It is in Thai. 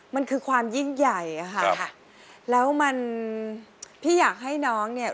มันคือความยิ่งใหญ่อะค่ะแล้วมันพี่อยากให้น้องเนี่ย